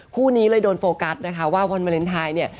คู่นี้เลยโดนโฟกัสว่าวันวาเลนไทย